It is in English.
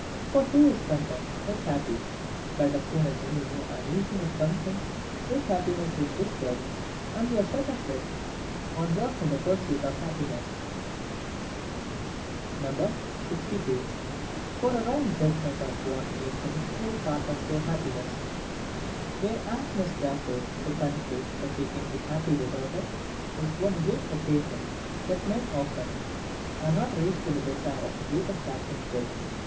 For who is content is happy. But as soon as any new uneasiness comes in, this happiness is disturbed, and we are set afresh on work in the pursuit of happiness. 62. From a wrong Judgment of what makes a necessary Part of their Happiness. Their aptness therefore to conclude that they can be happy without it, is one great occasion that men often are not raised to the desire of the greatest ABSENT good.